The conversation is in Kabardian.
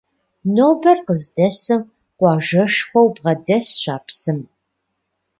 Нобэр къыздэсым къуажэшхуэу бгъэдэсщ а псым.